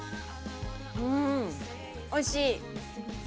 うんおいしい！